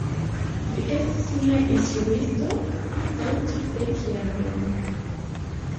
Vi estis mia instruisto, antaŭ tridek jaroj!